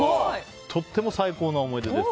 とっても最高な思い出です。